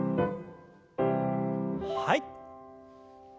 はい。